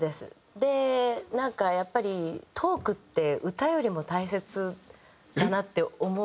でなんかやっぱりトークって歌よりも大切だなって思う。